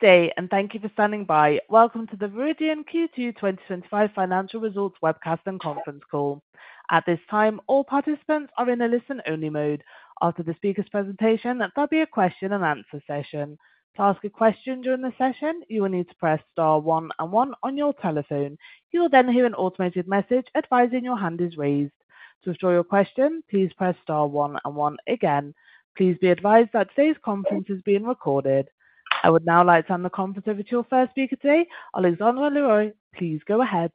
Thank you for standing by. Welcome to the Viridien Q2 2025 financial results webcast and conference call. At this time, all participants are in a listen-only mode. After the speaker's presentation, there'll be a question-and-answer session. To ask a question during the session, you will need to press star one and one on your telephone. You will then hear an automated message advising your hand is raised. To withdraw your question, please press star one and one again. Please be advised that today's conference is being recorded. I would now like to hand the conference over to our first speaker today, Alexandre Leroy. Please go ahead.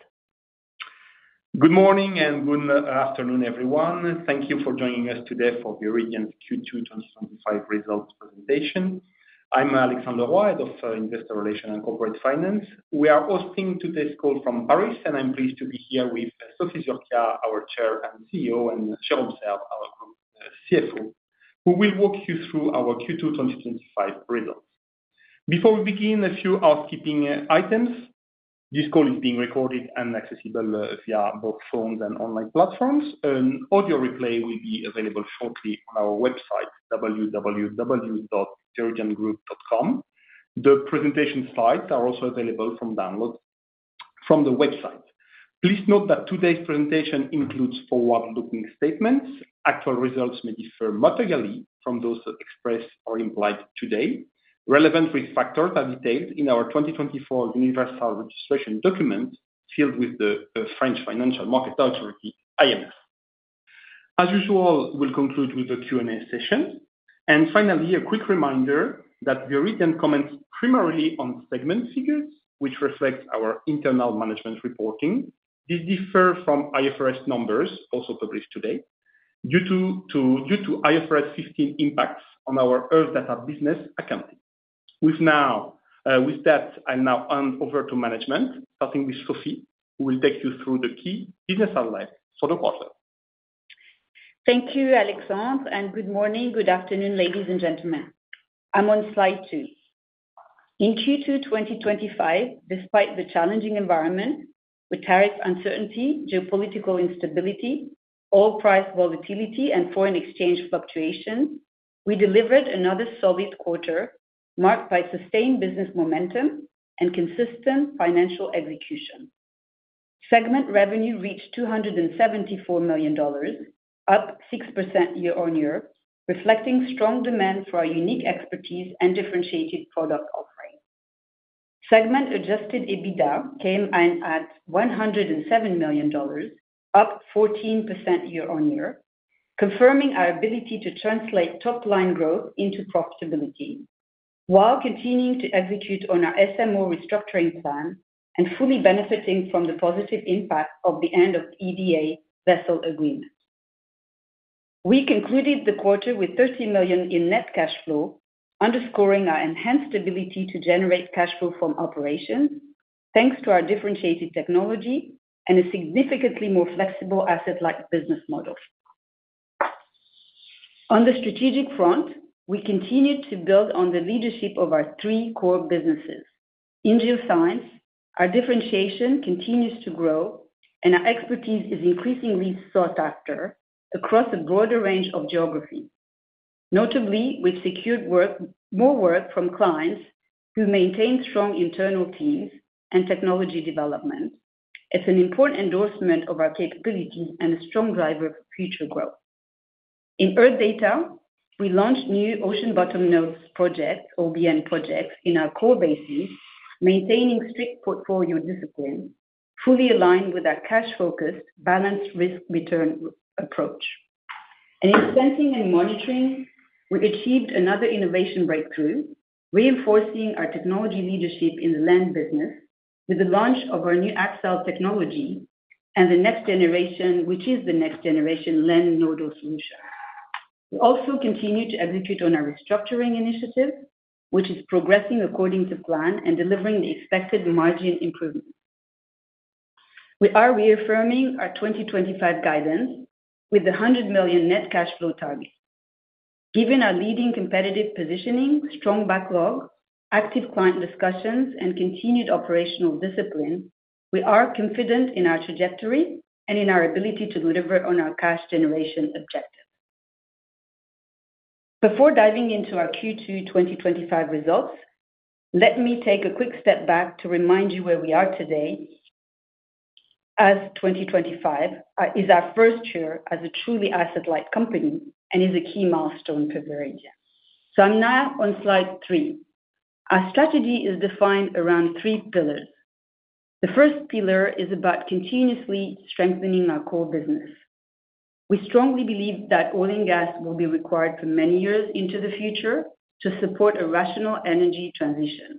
Good morning and good afternoon, everyone. Thank you for joining us today for Viridien's Q2 2025 results presentation. I'm Alexandre Leroy, Head of Investor Relations and Corporate Finance. We are hosting today's call from Paris, and I'm pleased to be here with Sophie Zurquiyah, our Chair and CEO, and Jerome Serve, our CFO, who will walk you through our Q2 2025 results. Before we begin, a few housekeeping items. This call is being recorded and accessible via both phones and online platforms. An audio replay will be available shortly on our website, www.viridiangroup.com. The presentation slides are also available for download from the website. Please note that today's presentation includes forward-looking statements. Actual results may differ materially from those expressed or implied today. Relevant risk factors are detailed in our 2024 universal registration document filed with the French Financial Market Authority, AMF. As usual, we'll conclude with the Q&A session. Finally, a quick reminder that Viridien comments primarily on segment figures, which reflect our internal management reporting. These differ from IFRS numbers also published today, due to IFRS 15 impacts on our EARL Data business accounting. With that, I'll now hand over to management, starting with Sophie, who will take you through the key business outline for the quarter. Thank you, Alexandre, and good morning, good afternoon, ladies and gentlemen. I'm on slide two. In Q2 2025, despite the challenging environment, with tariff uncertainty, geopolitical instability, oil price volatility, and foreign exchange fluctuations, we delivered another solid quarter marked by sustained business momentum and consistent financial execution. Segment revenue reached $274 million, up 6% year-on-year, reflecting strong demand for our unique expertise and differentiated product offering. Segment-adjusted EBITDA came in at $107 million, up 14% year-on-year, confirming our ability to translate top-line growth into profitability, while continuing to execute on our SMO restructuring plan and fully benefiting from the positive impact of the end-of-ETA vessel agreement. We concluded the quarter with $13 million in net cash flow, underscoring our enhanced ability to generate cash flow from operations, thanks to our differentiated technology and a significantly more flexible asset-light business model. On the strategic front, we continue to build on the leadership of our three core businesses. In geoscience, our differentiation continues to grow, and our expertise is increasingly sought after across a broader range of geographies. Notably, we've secured more work from clients who maintain strong internal teams and technology development. It's an important endorsement of our capability and a strong driver for future growth. In Earth Data, we launched new ocean bottom node projects, OBN projects, in our core bases, maintaining strict portfolio discipline, fully aligned with our cash-focused, balanced risk-return approach. In Sensing and Monitoring, we achieved another innovation breakthrough, reinforcing our technology leadership in the land business with the launch of our new Accel technology and the next generation, which is the next generation land nodal solution. We also continue to execute on our restructuring initiative, which is progressing according to plan and delivering the expected margin improvement. We are reaffirming our 2025 guidance with the $100 million net cash flow target. Given our leading competitive positioning, strong backlog, active client discussions, and continued operational discipline, we are confident in our trajectory and in our ability to deliver on our cash generation objective. Before diving into our Q2 2025 results, let me take a quick step back to remind you where we are today, as 2025 is our first year as a truly asset-light company and is a key milestone for Viridien. I'm now on slide three. Our strategy is defined around three pillars. The first pillar is about continuously strengthening our core business. We strongly believe that oil and gas will be required for many years into the future to support a rational energy transition.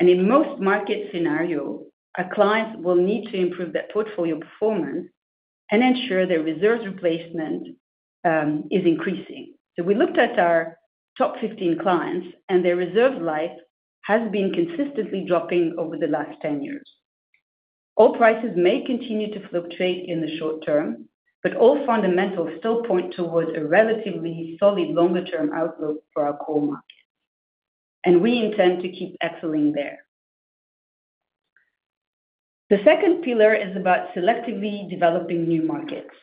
In most market scenarios, our clients will need to improve their portfolio performance and ensure their reserve replacement is increasing. We looked at our top 15 clients, and their reserve life has been consistently dropping over the last 10 years. Oil prices may continue to fluctuate in the short-term, but all fundamentals still point toward a relatively solid longer-term outlook for our core market. We intend to keep excelling there. The second pillar is about selectively developing new markets.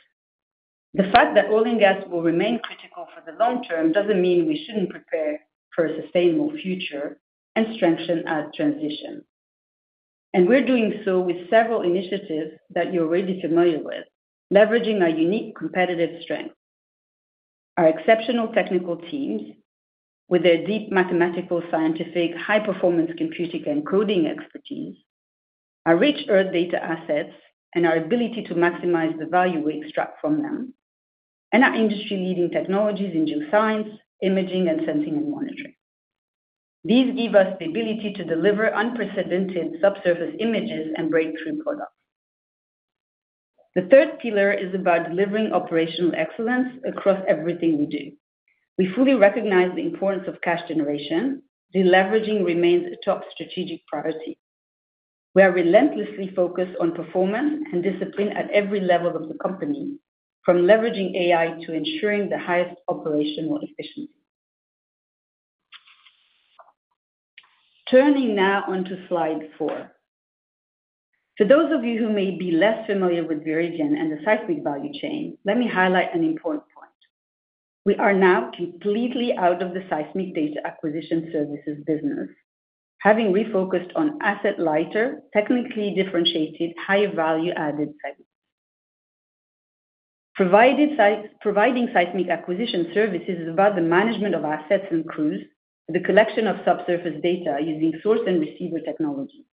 The fact that oil and gas will remain critical for the long term doesn't mean we shouldn't prepare for a sustainable future and strengthen our transition. We're doing so with several initiatives that you're already familiar with, leveraging our unique competitive strengths. Our exceptional technical teams, with their deep mathematical, scientific, high-performance computing and coding expertise, our rich Earth Data assets, and our ability to maximize the value we extract from them, and our industry-leading technologies in geoscience, imaging, and Sensing and Monitoring. These give us the ability to deliver unprecedented subsurface images and breakthrough products. The third pillar is about delivering operational excellence across everything we do. We fully recognize the importance of cash generation, so leveraging remains a top strategic priority. We are relentlessly focused on performance and discipline at every level of the company, from leveraging AI to ensuring the highest operational efficiency. Turning now onto slide four. For those of you who may be less familiar with Viridien and the seismic value chain, let me highlight an important point. We are now completely out of the seismic data acquisition services business, having refocused on asset-lighter, technically differentiated, higher value-added segments. Providing seismic acquisition services is about the management of assets and crews with the collection of subsurface data using source and receiver technology.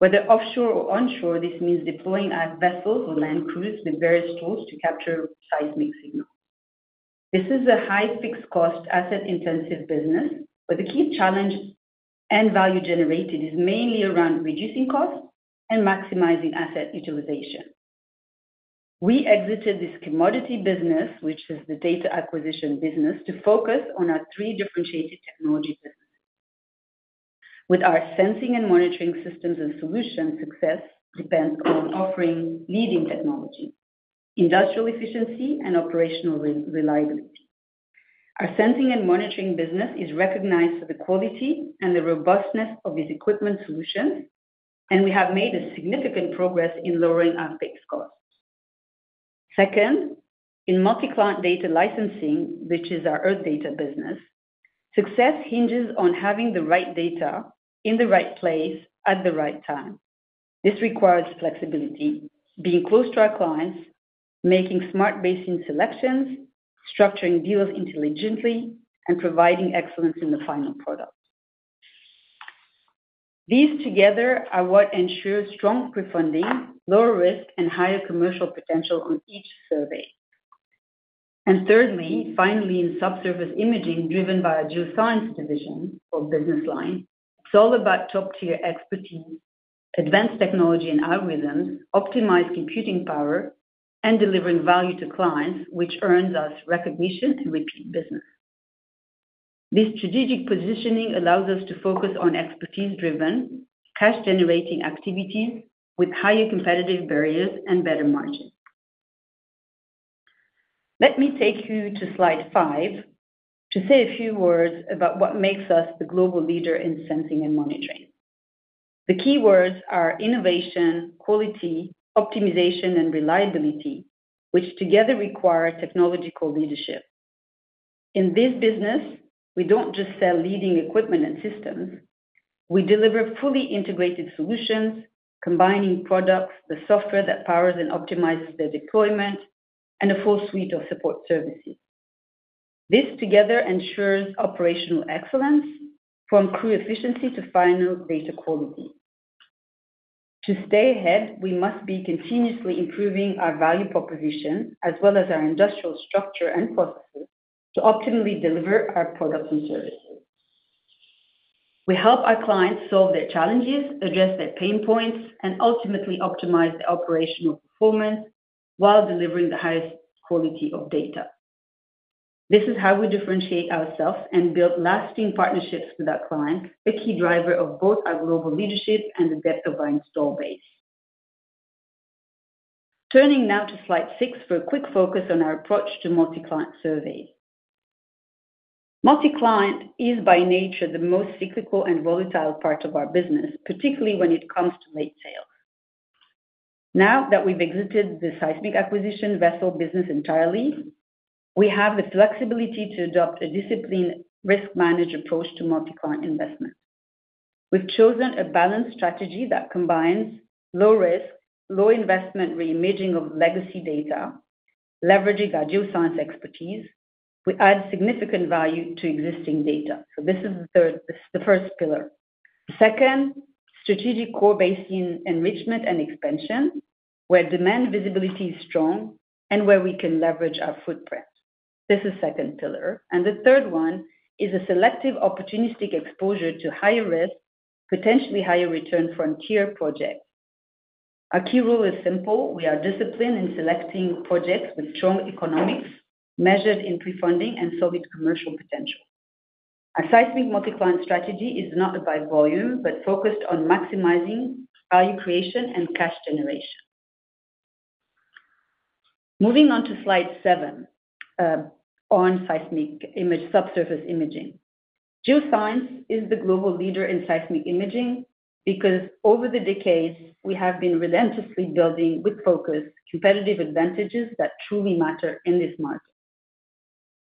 Whether offshore or onshore, this means deploying at vessels or land crews with various tools to capture seismic signals. This is a high fixed cost, asset-intensive business, but the key challenge and value generated is mainly around reducing costs and maximizing asset utilization. We exited this commodity business, which is the data acquisition business, to focus on our three differentiated technology businesses. With our sensing and monitoring systems and solutions, success depends on offering leading technology, industrial efficiency, and operational reliability. Our Sensing and Monitoring business is recognized for the quality and the robustness of its equipment solutions, and we have made significant progress in lowering our fixed costs. Second, in multi-client data licensing, which is our Earth Data business, success hinges on having the right data in the right place at the right time. This requires flexibility, being close to our clients, making smart basin selections, structuring deals intelligently, and providing excellence in the final product. These together are what ensure strong pre-funding, lower risk, and higher commercial potential on each survey. Thirdly, in subsurface imaging driven by our Geoscience division or business line, it's all about top-tier expertise, advanced technology and algorithms, optimized computing power, and delivering value to clients, which earns us recognition and repeat business. This strategic positioning allows us to focus on expertise-driven, cash-generating activities with higher competitive barriers and better margins. Let me take you to slide five to say a few words about what makes us the global leader in Sensing and Monitoring. The key words are innovation, quality, optimization, and reliability, which together require technological leadership. In this business, we don't just sell leading equipment and systems. We deliver fully integrated solutions, combining products, the software that powers and optimizes their deployment, and a full suite of support services. This together ensures operational excellence from crew efficiency to final data quality. To stay ahead, we must be continuously improving our value proposition as well as our industrial structure and processes to optimally deliver our products and services. We help our clients solve their challenges, address their pain points, and ultimately optimize the operational performance while delivering the highest quality of data. This is how we differentiate ourselves and build lasting partnerships with our clients, a key driver of both our global leadership and the depth of our install base. Turning now to slide six for a quick focus on our approach to multi-client surveys. Multi-client is, by nature, the most cyclical and volatile part of our business, particularly when it comes to late sales. Now that we've exited the seismic acquisition vessel business entirely, we have the flexibility to adopt a disciplined, risk-managed approach to multi-client investment. We've chosen a balanced strategy that combines low risk, low investment reimaging of legacy data, leveraging our geoscience expertise, and adds significant value to existing data. This is the first pillar. The second, strategic core basin enrichment and expansion, where demand visibility is strong and where we can leverage our footprint. This is the second pillar. The third one is a selective, opportunistic exposure to higher risk, potentially higher return frontier projects. Our key rule is simple. We are disciplined in selecting projects with strong economics, measured in pre-funding, and solid commercial potential. Our seismic multi-client strategy is not about volume, but focused on maximizing value creation and cash generation. Moving on to slide seven on seismic image subsurface imaging. Geoscience is the global leader in seismic imaging because, over the decades, we have been relentlessly building with focus competitive advantages that truly matter in this market.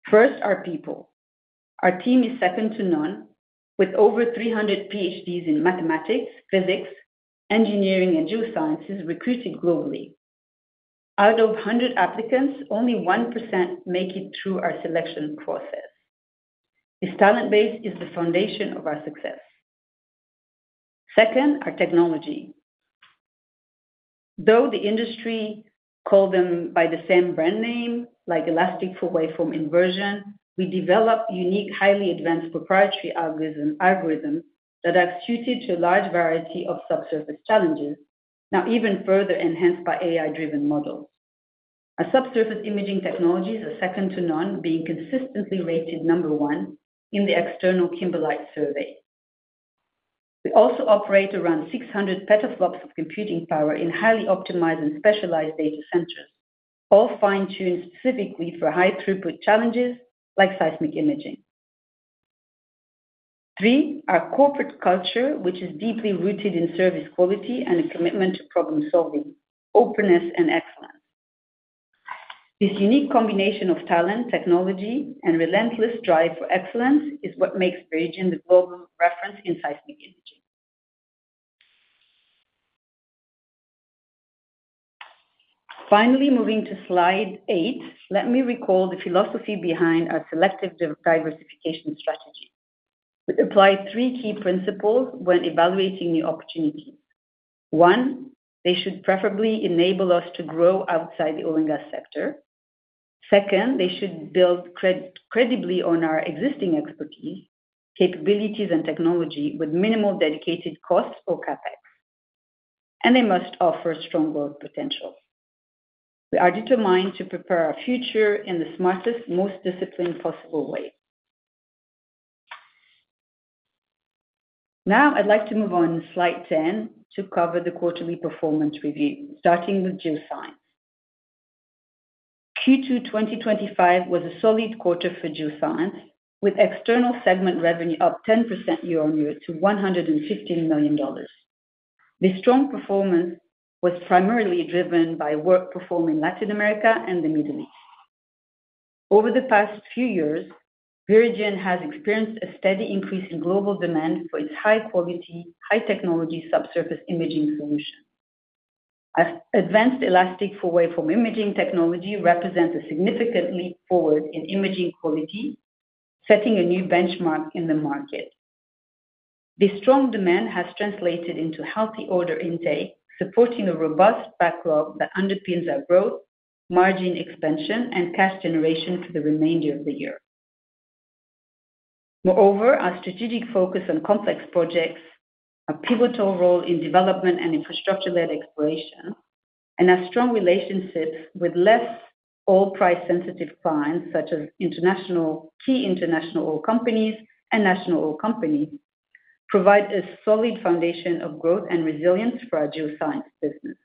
First, our people. Our team is second to none, with over 300 PhDs in mathematics, physics, engineering, and geosciences recruited globally. Out of 100 applicants, only 1% make it through our selection process. This talent base is the foundation of our success. Second, our technology. Though the industry calls them by the same brand name, like elastic for waveform inversion, we develop unique, highly advanced proprietary algorithms that are suited to a large variety of subsurface challenges, now even further enhanced by AI-driven models. Our subsurface imaging technologies are second to none, being consistently rated number one in the external Kimberlite survey. We also operate around 600 petaflops of computing power in highly optimized and specialized data centers, all fine-tuned specifically for high throughput challenges like seismic imaging. Three, our corporate culture, which is deeply rooted in service quality and a commitment to problem solving, openness, and excellence. This unique combination of talent, technology, and relentless drive for excellence is what makes Viridien the global reference in seismic imaging. Finally, moving to slide eight, let me recall the philosophy behind our selective diversification strategy. We apply three key principles when evaluating new opportunities. One, they should preferably enable us to grow outside the oil and gas sector. Second, they should build credibly on our existing expertise, capabilities, and technology with minimal dedicated costs or CapEx. They must offer strong growth potential. We are determined to prepare our future in the smartest, most disciplined possible way. Now, I'd like to move on to slide 10 to cover the quarterly performance review, starting with geoscience. Q2 2025 was a solid quarter for geoscience, with external segment revenue up 10% year-on-year to $115 million. This strong performance was primarily driven by work performed in Latin America and the Middle East. Over the past few years, Viridien has experienced a steady increase in global demand for its high-quality, high-technology subsurface imaging solutions. Our advanced elastic full waveform imaging technology represents a significant leap forward in imaging quality, setting a new benchmark in the market. This strong demand has translated into healthy order intake, supporting a robust backlog that underpins our growth, margin expansion, and cash generation for the remainder of the year. Moreover, our strategic focus on complex projects, a pivotal role in development and infrastructure-led exploration, and our strong relationships with less oil price-sensitive clients, such as key international oil companies and national oil companies, provide a solid foundation of growth and resilience for our geoscience business.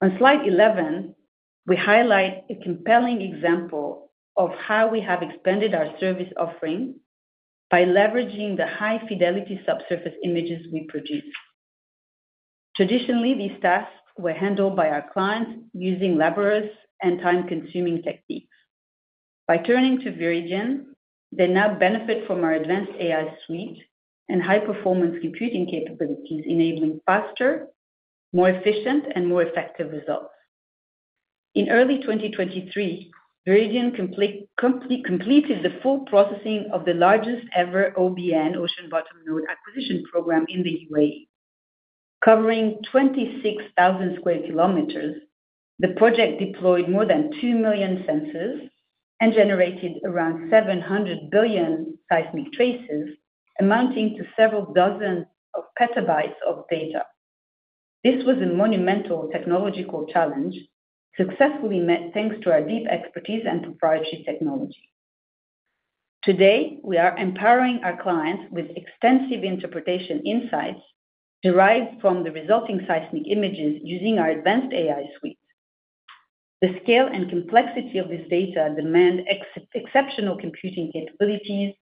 On slide 11, we highlight a compelling example of how we have expanded our service offering by leveraging the high-fidelity subsurface images we produce. Traditionally, these tasks were handled by our clients using laborious and time-consuming techniques. By turning to Viridien, they now benefit from our advanced AI suite and high-performance computing capabilities, enabling faster, more efficient, and more effective results. In early 2023, Viridien completed the full processing of the largest ever OBN, ocean bottom node acquisition program in the UAE. Covering 26,000 sq KM, the project deployed more than 2 million sensors and generated around 700 billion seismic traces, amounting to several dozens of petabytes of data. This was a monumental technological challenge, successfully met thanks to our deep expertise and proprietary technology. Today, we are empowering our clients with extensive interpretation insights derived from the resulting seismic images using our advanced AI suite. The scale and complexity of this data demand exceptional computing capabilities,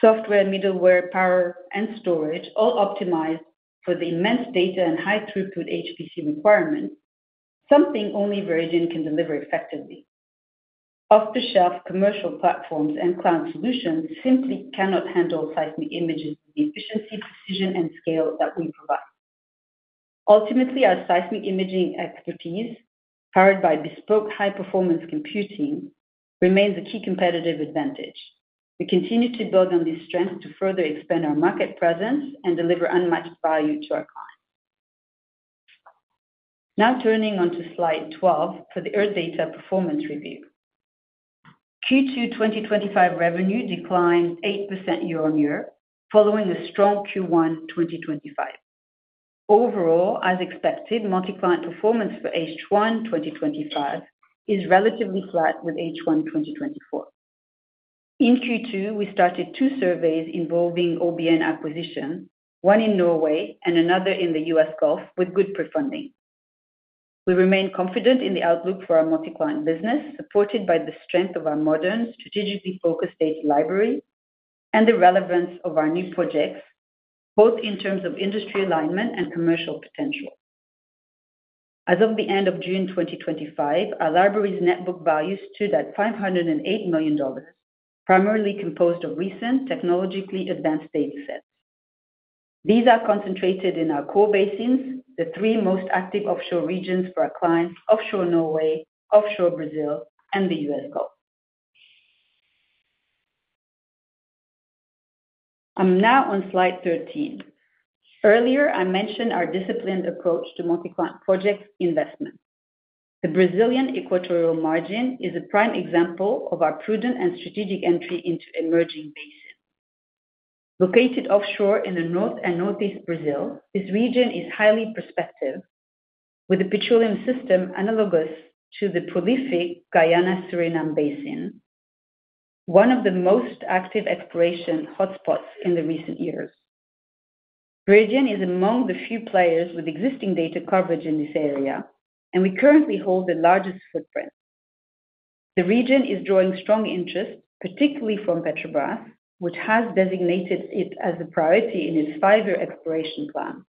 software, middleware, power, and storage, all optimized for the immense data and high throughput HPC requirements, something only Viridien can deliver effectively. Off-the-shelf commercial platforms and cloud solutions simply cannot handle seismic images with the efficiency, precision, and scale that we provide. Ultimately, our seismic imaging expertise, powered by bespoke high-performance computing, remains a key competitive advantage. We continue to build on these strengths to further expand our market presence and deliver unmatched value to our clients. Now turning onto slide 12 for the Earth Data performance review. Q2 2025 revenue declined 8% year-on-year, following a strong Q1 2025. Overall, as expected, multi-client performance for H1 2025 is relatively flat with H1 2024. In Q2, we started two surveys involving OBN acquisitions, one in Norway and another in the U.S. Gulf, with good pre-funding. We remain confident in the outlook for our multi-client business, supported by the strength of our modern, strategically focused data library and the relevance of our new projects, both in terms of industry alignment and commercial potential. As of the end of June 2025, our library's net book value stood at $508 million, primarily composed of recent, technologically advanced data sets. These are concentrated in our core basins, the three most active offshore regions for our clients: offshore Norway, offshore Brazil, and the U.S. Gulf. I'm now on slide 13. Earlier, I mentioned our disciplined approach to multi-client project investment. The Brazilian equatorial margin is a prime example of our prudent and strategic entry into emerging basins. Located offshore in the north and northeast Brazil, this region is highly prospective, with a petroleum system analogous to the prolific Guyana Surinam Basin, one of the most active exploration hotspots in recent years. Viridien is among the few players with existing data coverage in this area, and we currently hold the largest footprint. The region is drawing strong interest, particularly from Petrobras, which has designated it as a priority in its five-year exploration plan.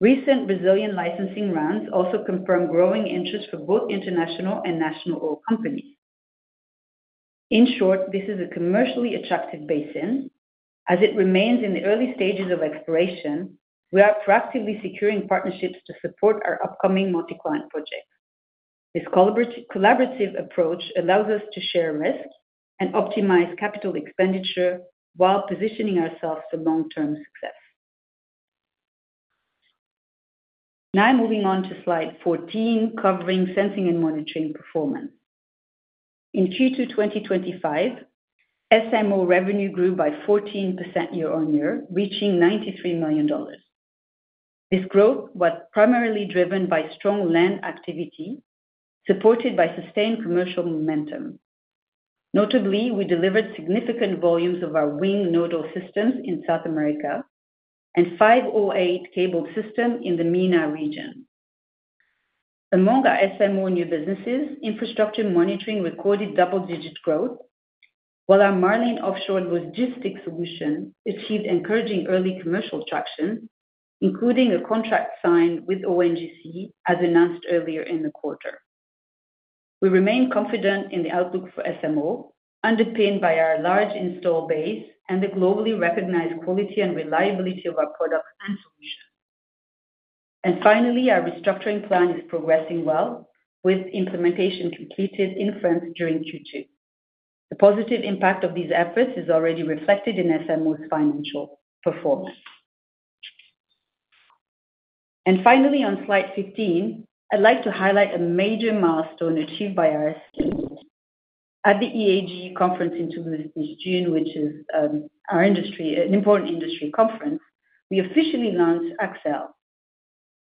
Recent Brazilian licensing rounds also confirm growing interest for both international and national oil companies. In short, this is a commercially attractive basin. As it remains in the early stages of exploration, we are proactively securing partnerships to support our upcoming multi-client projects. This collaborative approach allows us to share risk and optimize capital expenditure while positioning ourselves for long-term success. Now moving on to slide 14, covering Sensing and Monitoring performance. In Q2 2025, SMO revenue grew by 14% year-on-year, reaching $93 million. This growth was primarily driven by strong land activity, supported by sustained commercial momentum. Notably, we delivered significant volumes of our WiNG nodal systems in South America and 508 cabled systems in the MENA region. Among our SMO new businesses, infrastructure monitoring recorded double-digit growth, while our Marlin offshore logistics solution achieved encouraging early commercial traction, including a contract signed with ONGC, as announced earlier in the quarter. We remain confident in the outlook for SMO, underpinned by our large install base and the globally recognized quality and reliability of our products and solutions. Our restructuring plan is progressing well, with implementation completed in France during Q2. The positive impact of these efforts is already reflected in SMO's financial performance. On slide 15, I'd like to highlight a major milestone achieved by our SEC. At the EAG conference in Toulouse this June, which is an important industry conference, we officially launched Accel,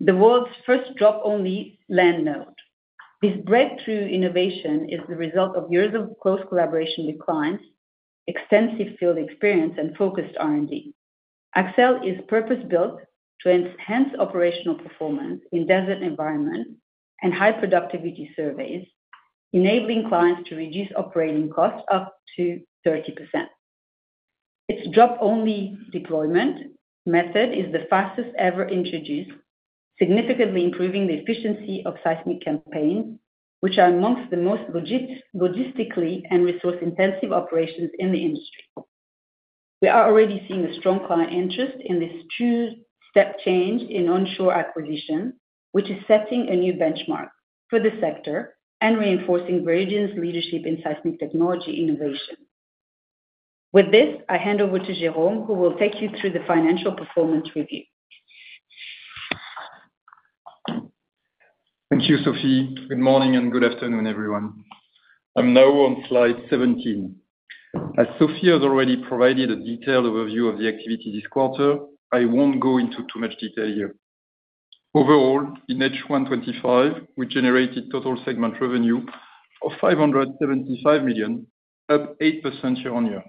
the world's first drop-only land node. This breakthrough innovation is the result of years of close collaboration with clients, extensive field experience, and focused R&D. Accel is purpose-built to enhance operational performance in desert environments and high productivity surveys, enabling clients to reduce operating costs up to 30%. Its drop-only deployment method is the fastest ever introduced, significantly improving the efficiency of seismic campaigns, which are amongst the most logistically and resource-intensive operations in the industry. We are already seeing a strong client interest in this two-step change in onshore acquisition, which is setting a new benchmark for the sector and reinforcing Viridien's leadership in seismic technology innovation. With this, I hand over to Jerome, who will take you through the financial performance review. Thank you, Sophie. Good morning and good afternoon, everyone. I'm now on slide 17. As Sophie has already provided a detailed overview of the activity this quarter, I won't go into too much detail here. Overall, in H1 2025, we generated total segment revenue of $575 million, up 8% year-on-year.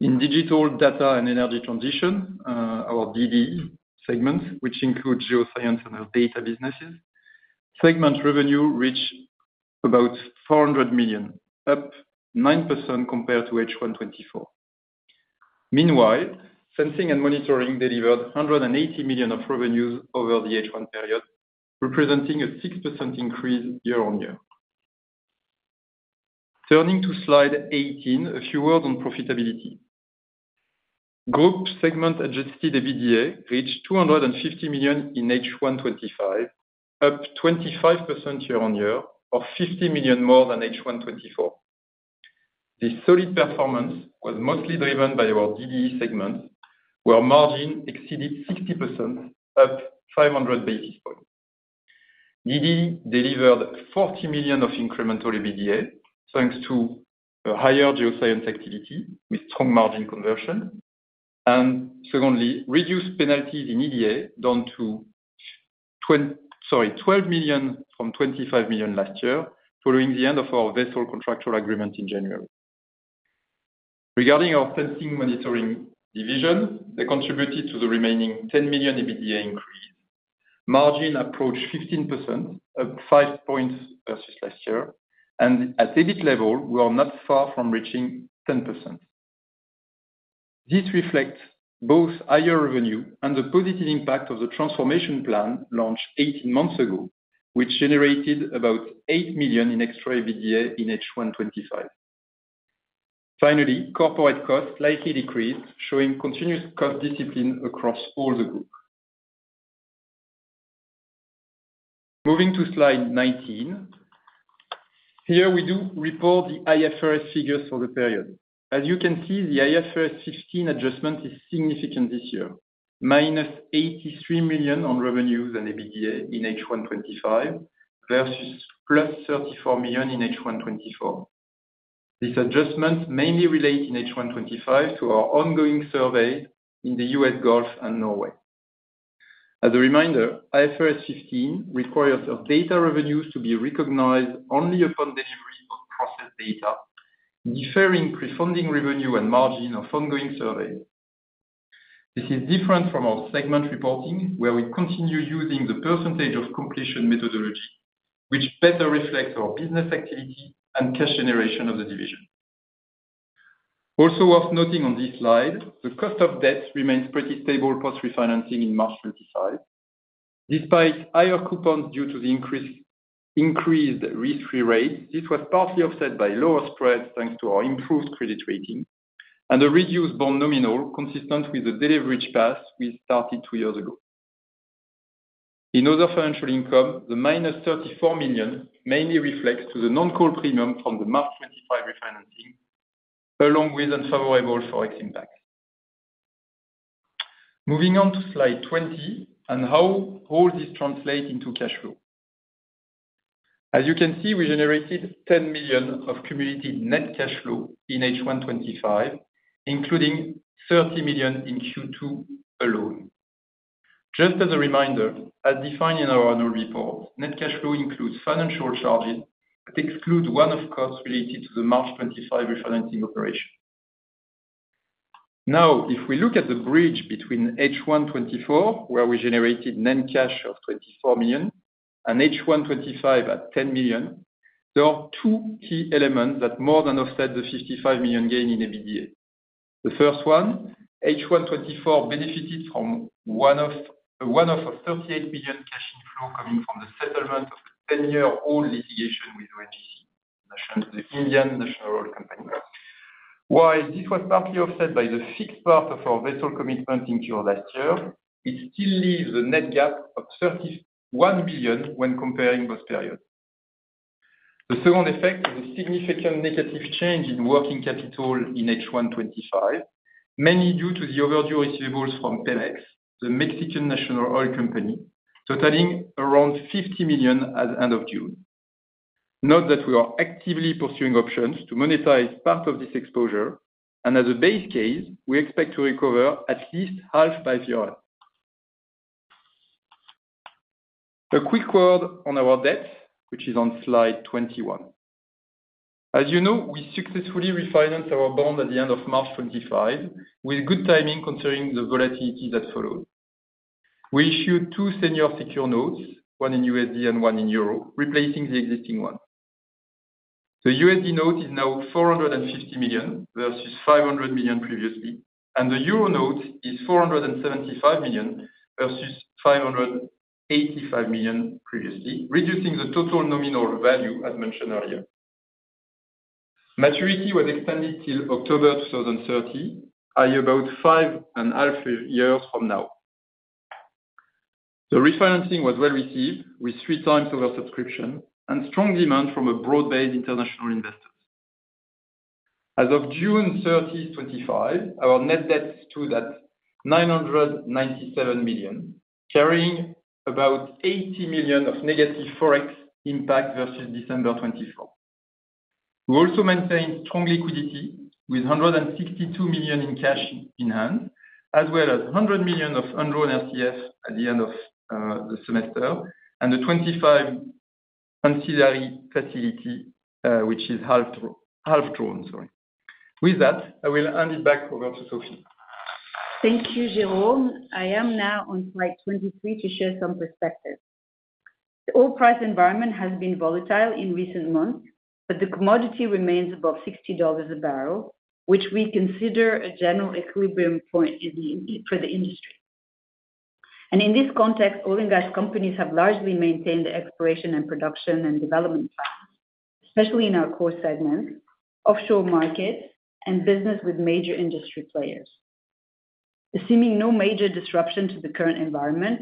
In digital data and energy transition, our DD segments, which include geoscience and Earth Data businesses, segment revenue reached about $400 million, up 9% compared to H1 2024. Meanwhile, Sensing and Monitoring delivered $180 million of revenues over the H1 period, representing a 6% increase year-on-year. Turning to slide 18, a few words on profitability. Group segment-adjusted EBITDA reached $250 million in H1 2025, up 25% year-on-year, or $50 million more than H1 2024. This solid performance was mostly driven by our DD segment, where margin exceeded 60%, up 500 basis points. DD delivered $40 million of incremental EBITDA, thanks to a higher geoscience activity with strong margin conversion, and secondly, reduced penalties in EBITDA down to $12 million from $25 million last year, following the end of our vessel contractual agreement in January. Regarding our Sensing and Monitoring division, they contributed to the remaining $10 million EBITDA increase. Margin approached 15%, up 5 points versus last year, and at EBIT level, we are not far from reaching 10%. This reflects both higher revenue and the positive impact of the transformation plan launched 18 months ago, which generated about $8 million in extra EBITDA in H1 2025. Finally, corporate costs slightly decreased, showing continuous cost discipline across all the groups. Moving to slide 19. Here, we do report the IFRS figures for the period. As you can see, the IFRS 15 adjustment is significant this year, minus $83 million on revenues and EBITDA in H1 2025 versus plus $34 million in H1 2024. This adjustment mainly relates in H1 2025 to our ongoing surveys in the U.S. Gulf and Norway. As a reminder, IFRS 15 requires EARL Data revenues to be recognized only upon delivery of processed data, deferring pre-funding revenue and margin of ongoing surveys. This is different from our segment reporting, where we continue using the percentage of completion methodology, which better reflects our business activity and cash generation of the division. Also worth noting on this slide, the cost of debt remains pretty stable post-refinancing in March 2025. Despite higher coupons due to the increased risk-free rates, this was partly offset by lower spreads thanks to our improved credit rating and a reduced bond nominal consistent with the deleverage path we started two years ago. In other financial income, the minus $34 million mainly reflects the non-call premium from the March 2025 refinancing, along with unfavorable FX impacts. Moving on to slide 20 and how all this translates into cash flow. As you can see, we generated $10 million of cumulated net cash flow in H1 2025, including $30 million in Q2 alone. Just as a reminder, as defined in our annual report, net cash flow includes financial charges that exclude one-off costs related to the March 2025 refinancing operation. Now, if we look at the bridge between H1 2024, where we generated net cash of $24 million, and H1 2025 at $10 million, there are two key elements that more than offset the $55 million gain in EBITDA. The first one, H1 2024 benefited from a one-off of $38 million cash inflow coming from the settlement of a 10-year-old litigation with ONGC, the Indian National Oil Company. While this was partly offset by the fixed part of our vessel commitment incurred last year, it still leaves a net gap of $31 million when comparing both periods. The second effect is a significant negative change in working capital in H1 2025, mainly due to the overdue receivables from Pemex, the Mexican National Oil Company, totaling around $50 million at the end of June. Note that we are actively pursuing options to monetize part of this exposure, and as a base case, we expect to recover at least half by further. A quick word on our debt, which is on slide 21. As you know, we successfully refinanced our bond at the end of March 2025, with good timing considering the volatility that followed. We issued two senior secured notes, one in USD and one in Euro, replacing the existing one. The USD note is now $450 million versus $500 million previously, and the Euro note is $475 million versus $585 million previously, reducing the total nominal value as mentioned earlier. Maturity was extended till October 2030, i.e., about five and a half years from now. The refinancing was well received, with three times oversubscription and strong demand from a broad-based international investor. As of June 30, 2025, our net debt stood at $997 million, carrying about $80 million of negative FX impact versus December 2024. We also maintained strong liquidity, with $162 million in cash in hand, as well as $100 million of undrawn RCF at the end of the semester and the $25 million ancillary facility, which is half drawn. With that, I will hand it back over to Sophie. Thank you, Jerome. I am now on slide 23 to share some perspective. The oil price environment has been volatile in recent months, but the commodity remains above $60 a barrel, which we consider a general equilibrium point for the industry. In this context, oil and gas companies have largely maintained the exploration and production and development path, especially in our core segment, offshore market, and business with major industry players. Assuming no major disruption to the current environment,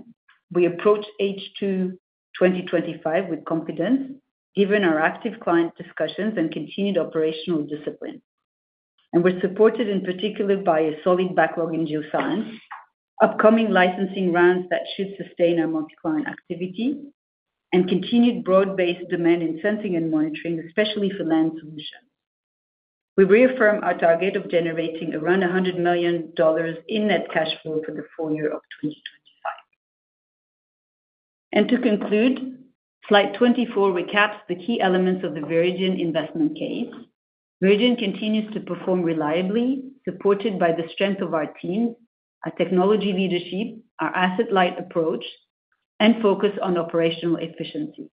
we approach H2 2025 with confidence, given our active client discussions and continued operational discipline. We are supported in particular by a solid backlog in geoscience, upcoming licensing rounds that should sustain our multi-client activity, and continued broad-based demand in Sensing and Monitoring, especially for land submission. We reaffirm our target of generating around $100 million in net cash flow for the full year of 2025. To conclude, slide 24 recaps the key elements of the Viridien investment case. Viridien continues to perform reliably, supported by the strength of our team, our technology leadership, our asset-light approach, and focus on operational efficiency.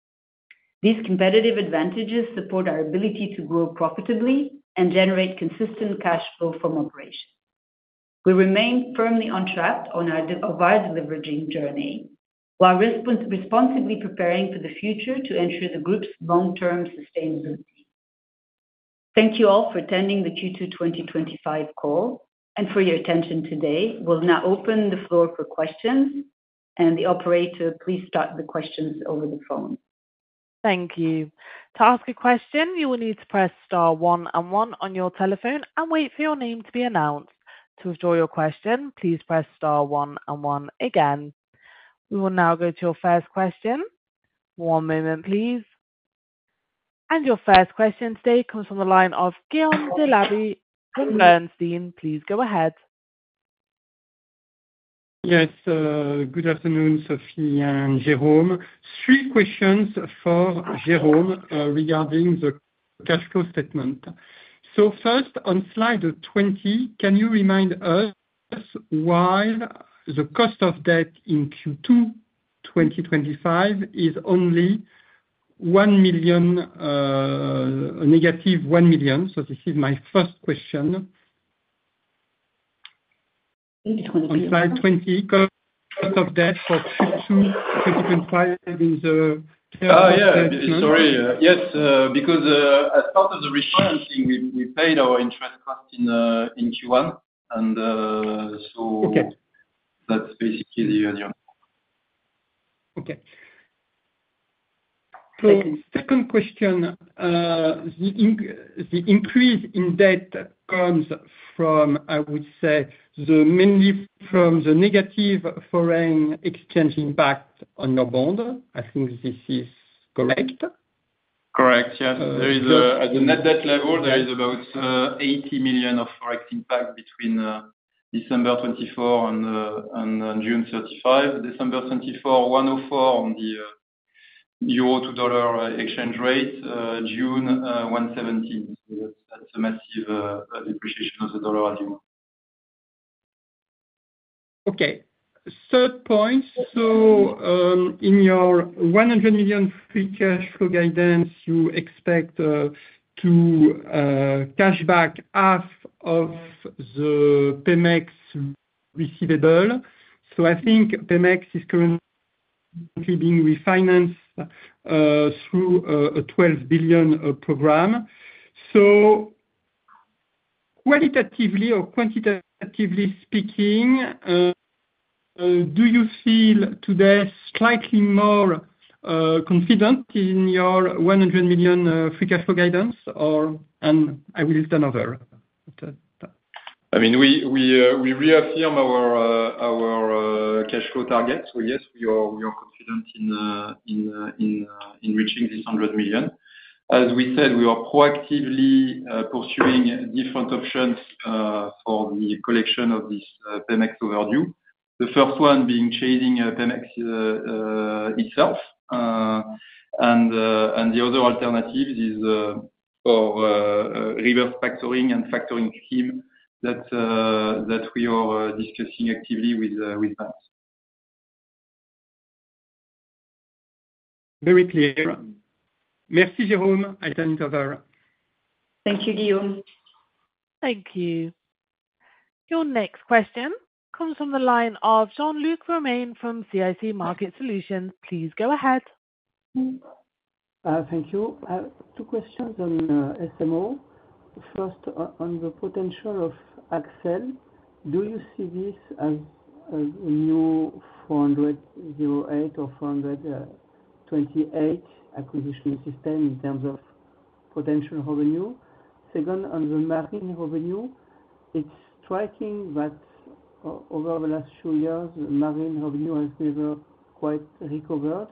These competitive advantages support our ability to grow profitably and generate consistent cash flow from operations. We remain firmly on track on our overall deliveraging journey, while responsibly preparing for the future to ensure the group's long-term sustainability. Thank you all for attending the Q2 2025 call and for your attention today. We will now open the floor for questions, and the operator, please start the questions over the phone. Thank you. To ask a question, you will need to press star one and one on your telephone and wait for your name to be announced. To withdraw your question, please press star one and one again. We will now go to your first question. One moment, please. Your first question today comes from the line of Guillaume Delaby from AnglaisPrépa. Please go ahead. Yes, good afternoon, Sophie and Jerome. Three questions for Jerome regarding the cash flow statement. First, on slide 20, can you remind us why the cost of debt in Q2 2025 is only negative $1 million? This is my first question. On slide 20, cost of debt for Q2 2025 is... Yes, because as part of the refinancing, we paid our interest cost in Q1, and that's basically the... Okay. Second question, the increase in debt comes from, I would say, mainly from the negative foreign exchanging impact on your bond. I think this is correct. Correct, yes. At the net debt level, there is about $80 million of forex impact between December 2024 and June 2025. December 2024, $1.04 on the euro to dollar exchange rate, June 2025, $1.17. That's a massive depreciation of the dollar as well. Okay. Third point, in your $100 million free cash flow guidance, you expect to cash back half of the Pemex receivable. I think Pemex is currently being refinanced through a $12 billion program. Qualitatively or quantitatively speaking, do you feel today slightly more confident in your $100 million free cash flow guidance, or I will turn over? I mean, we reaffirmed our cash flow target. Yes, we are confident in reaching this $100 million. As we said, we are proactively pursuing different options for the collection of this Pemex overdue, the first one being chasing Pemex itself, and the other alternative is for reverse factoring and factoring scheme that we are discussing actively with. Very clear. That's it, Jerome. I'll turn it over. Thank you, Guillaume. Thank you. Your next question comes from the line of Jean-Luc Romain from CIC Market Solutions. Please go ahead. Thank you. Two questions on SMO. First, on your potential of Accel, do you see this as a new 408 or 428 acquisition system in terms of potential revenue? Second, on the marine revenue, it's striking that over the last few years, the marine revenue has never quite recovered.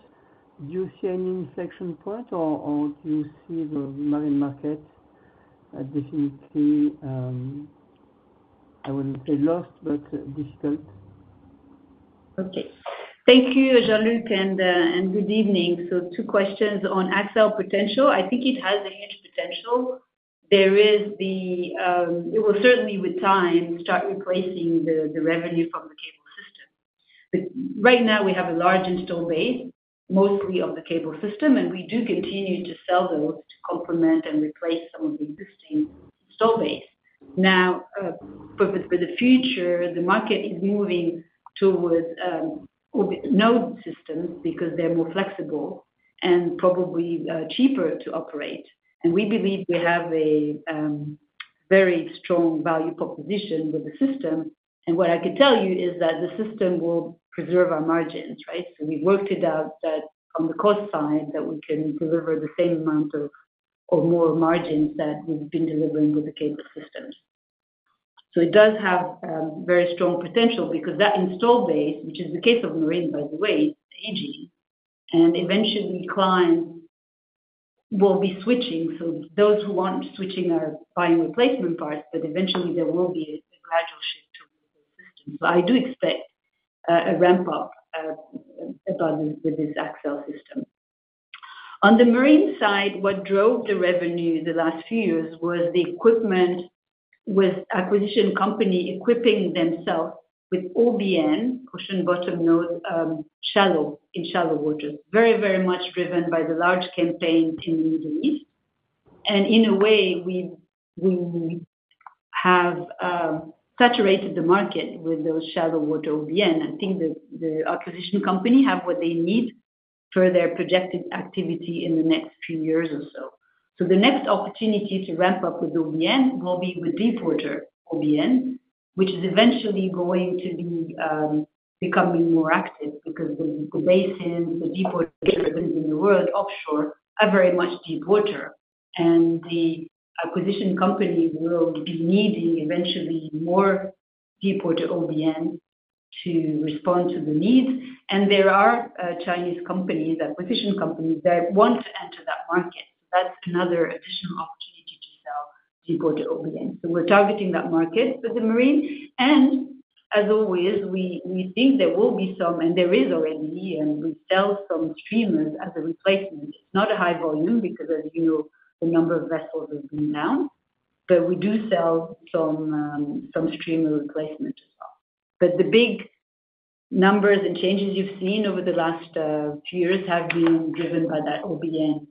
Do you see any inflection point, or do you see the marine market at definitely, I wouldn't say lost, but difficult? Okay. Thank you, Jean-Luc, and good evening. Two questions on Accel potential. I think it has a huge potential. It will certainly, with time, start replacing the revenue from the cable system. Right now, we have a large install base, mostly of the cable system, and we do continue to sell those, complement and replace some of the existing install base. For the future, the market is moving towards node systems because they're more flexible and probably cheaper to operate. We believe we have a very strong value proposition with the system. What I could tell you is that the system will preserve our margins, right? We've worked it out that on the cost side, we can deliver the same amount of or more margins that we've been delivering with the cable systems. It does have very strong potential because that install base, which is the case of marine, by the way, is aging. Eventually, clients will be switching. Those who want switching are buying replacement parts, but eventually, there will be a gradual shift too. I do expect a ramp-up abundant with this Accel system. On the marine side, what drove the revenue the last few years was the equipment with acquisition company equipping themselves with OBN, ocean bottom node, in shallow water, very, very much driven by the large campaign in the Middle East. In a way, we have saturated the market with those shallow water OBN. I think the acquisition company has what they need for their projected activity in the next few years or so. The next opportunity to ramp up with OBN will be with deepwater OBN, which is eventually going to be becoming more active because the basin, the deep ocean in the world, offshore, are very much deep water. The acquisition company will be needing eventually more deepwater OBN to respond to the needs. There are Chinese companies, acquisition companies that want to enter that market. That's another additional opportunity to sell deepwater OBN. We're targeting that market for the marine. As always, we think there will be some, and there is already, and we sell some streamers as a replacement. Not a high volume because, as you know, the number of vessels has been down. We do sell some streamer replacements. The big numbers and changes you've seen over the last few years have been driven by that OBN.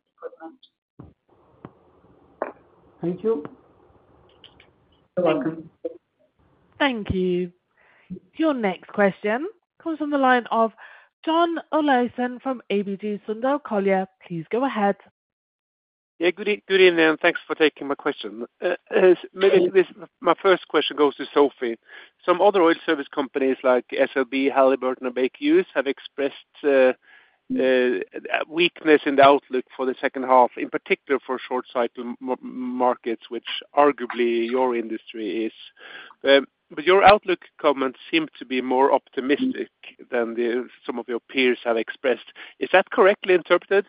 Thank you. You're welcome. Thank you. Your next question comes from the line of John Olaisen from ABG Sundal Collier. Please go ahead. Yeah, good evening and thanks for taking my question. Maybe my first question goes to Sophie. Some other oil service companies like SLB, Halliburton, and Baker Hughes have expressed weakness in the outlook for the second half, in particular for short cycle markets, which arguably your industry is. Your outlook comments seem to be more optimistic than some of your peers have expressed. Is that correctly interpreted?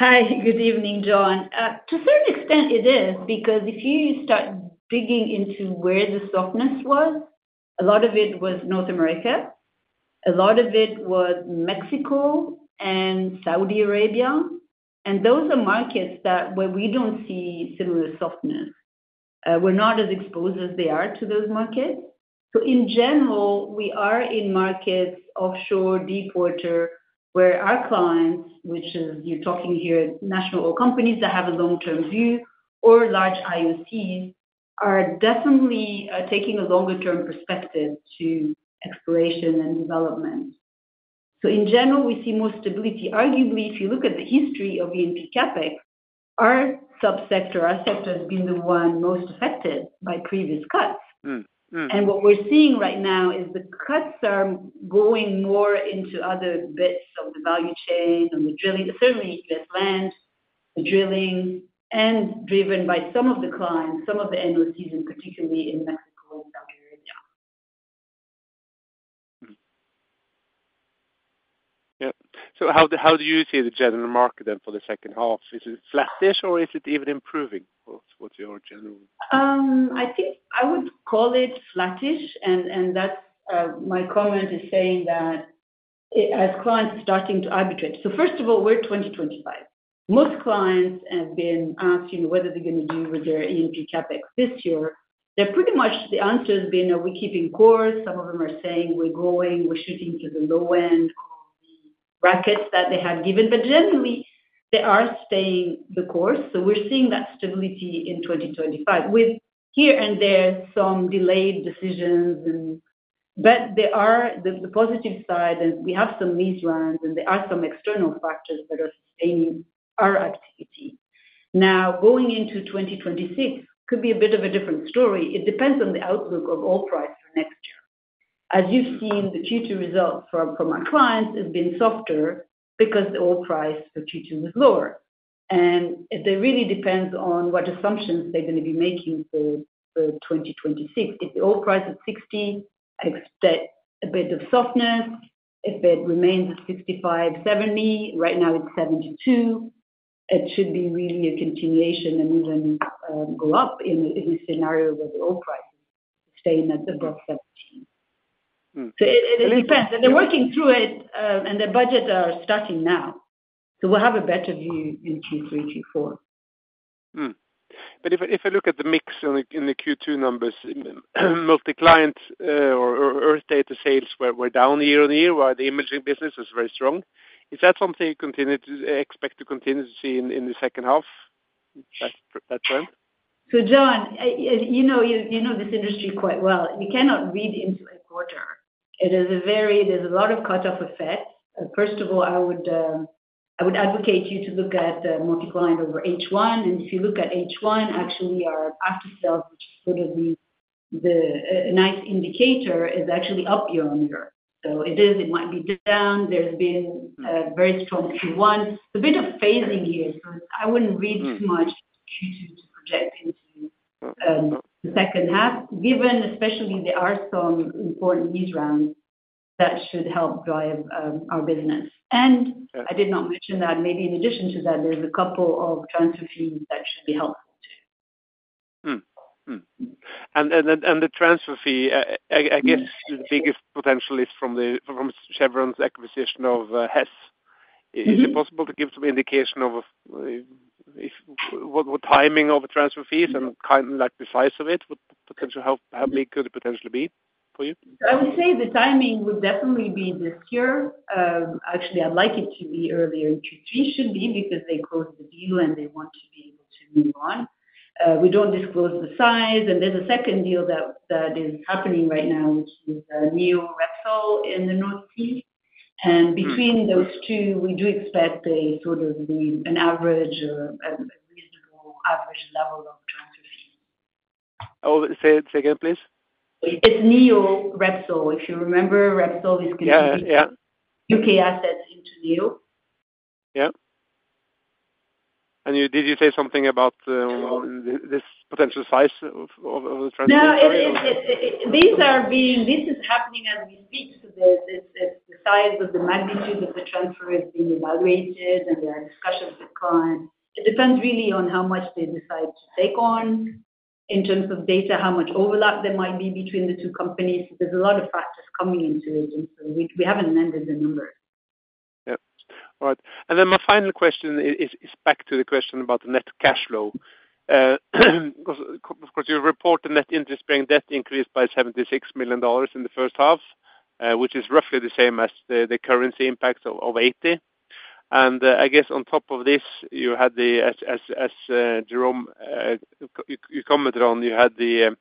Hi, good evening, John. To a certain extent, it is because if you start digging into where the softness was, a lot of it was North America. A lot of it was Mexico and Saudi Arabia. Those are markets where we don't see similar softness. We're not as exposed as they are to those markets. In general, we are in markets offshore, deepwater, where our clients, which is you're talking here at national oil companies that have a long-term view or large IOCs, are definitely taking a longer-term perspective to exploration and development. In general, we see more stability. Arguably, if you look at the history of BNP Capex, our subsector, our sector has been the one most affected by previous cuts. What we're seeing right now is the cuts are going more into other bits of the value chain and the drilling, certainly less land, the drilling, and driven by some of the clients, some of the NOCs, and particularly in Mexico, Saudi Arabia. How do you see the general market then for the second half? Is it flattish or is it even improving? What's your general? I think I would call it flattish, and that's my comment is saying that as clients are starting to arbitrate. First of all, we're 2025. Most clients have been asking whether they're going to deal with their E&P CapEx this year. Pretty much the answer has been we're keeping course. Some of them are saying we're going, we're shooting to the low end brackets that they have given. Generally, they are staying the course. We're seeing that stability in 2025, with here and there some delayed decisions. There are the positive side, and we have some lease runs, and there are some external factors that are sustaining our activity. Now, going into 2026 could be a bit of a different story. It depends on the outlook of oil price for next year. As you've seen, the Q2 results from our clients have been softer because the oil price for Q2 was lower. It really depends on what assumptions they're going to be making for 2026. If the oil price is $60, I expect a bit of softness. If it remains at $65, $70, right now it's $72, it should be really a continuation and even go up in the scenario where the oil price is staying at above $70. It depends. They're working through it, and their budgets are starting now. We'll have a better view in Q3, Q4. If I look at the mix in the Q2 numbers, multi-client or Earth Data sales were down year-on-year, while the imaging business was very strong. Is that something you continue to expect to see in the second half? John, you know this industry quite well. You cannot read into a quarter. It is a very, there's a lot of cut-off effect. First of all, I would advocate you to look at the multi-client over H1. If you look at H1, actually, our after-sales, which is literally the ninth indicator, is actually up year on year. It might be down. There's been a very strong Q1. It's a bit of phasing here. I wouldn't read too much Q2 to project into the second half, given especially there are some important licensing rounds that should help drive our business. I did not mention that maybe in addition to that, there's a couple of transfer fees that should be helpful too. The transfer fee, I guess the biggest potential is from Chevron's acquisition of Hess. Is it possible to give to me an indication of what timing of the transfer fees and kind of like the size of it, what potential, how big could it potentially be for you? I would say the timing would definitely be this year. Actually, I'd like it to be earlier in Q2. It should be because they closed the deal and they want to be able to move on. We don't disclose the size. There's a second deal that is happening right now, which is a new repo in the Northeast. Between those two, we do expect a sort of an average or a reasonable average level of transfer fees. Say again, please. It's NEO, Repsol. If you remember, Repsol is going to move U.K. assets into NEO. Did you say something about this potential size of the transfer? Yeah, it is. This is happening as we speak. The size of the magnitude of the transfer is being evaluated, and there are discussions with clients. It depends really on how much they decide to take on in terms of data, how much overlap there might be between the two companies. There are a lot of factors coming into it, and we haven't landed the numbers. All right. My final question is back to the question about the net cash flow. Of course, your report, the net interest-bearing debt increased by $76 million in the first half, which is roughly the same as the currency impact of $80 million. I guess on top of this, as Jerome commented on, you had the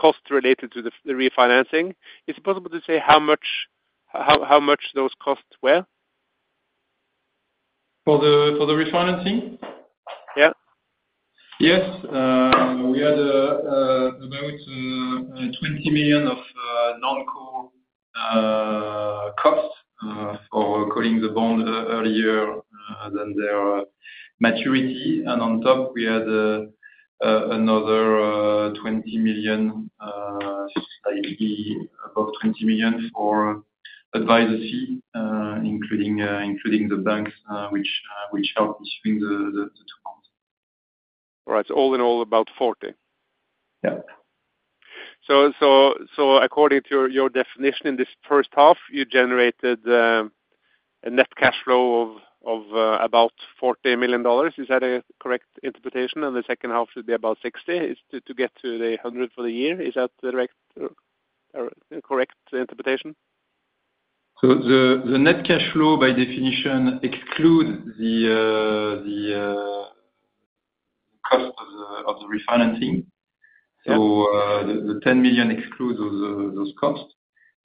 cost related to the refinancing. Is it possible to say how much those costs were. For the refinancing? Yeah. Yes. We had about $20 million of non-call costs for calling the bond earlier than their maturity. On top, we had another $20 million, a bit above $20 million for advisor fees, including the banks which are issuing the two bonds. All in all, about $40 million. According to your definition, in this first half, you generated a net cash flow of about $40 million. Is that a correct interpretation? The second half should be about $60 million to get to the $100 million for the year. Is that the correct interpretation? The net cash flow, by definition, excludes the cost of the refinancing. The $10 million excludes those costs.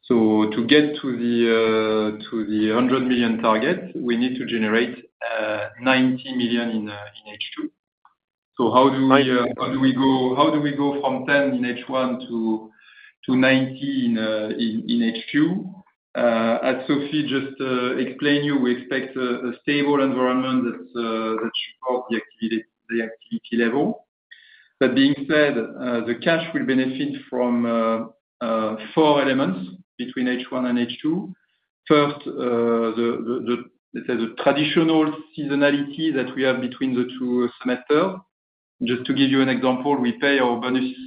To get to the $100 million target, we need to generate $90 million in H2. How do we go from $10 million in H1 to $90 million in H2? As Sophie just explained to you, we expect a stable environment that supports the activity level. That being said, the cash will benefit from four elements between H1 and H2. First, the traditional seasonality that we have between the two semesters. Just to give you an example, we pay our bonuses